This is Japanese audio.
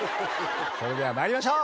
それでは参りましょう。